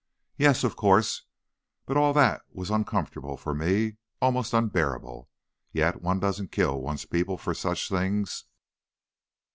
"Yes, of course. But all that was uncomfortable for me, almost unbearable, yet one doesn't kill one's people for such things."